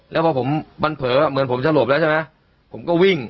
แล้วพอผมมันเผลอเหมือนผมสลบแล้วใช่ไหมผมก็วิ่ง